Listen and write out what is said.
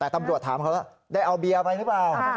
แต่ตำรวจถามเขาแล้วได้เอาเบียร์ไปหรือเปล่า